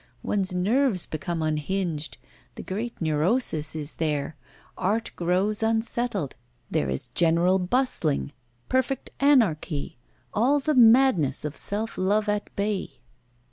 One's nerves become unhinged, the great neurosis is there, art grows unsettled, there is general bustling, perfect anarchy, all the madness of self love at bay.